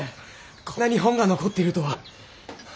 こんなに本が残っているとは。